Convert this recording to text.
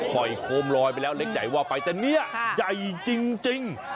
โคมลอยไปแล้วเล็กใหญ่ว่าไปแต่เนี่ยใหญ่จริง